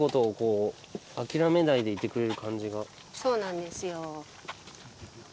そうなんですよ。